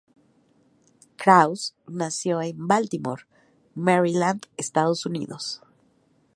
Krauss nació en Baltimore, Maryland, Estados Unidos.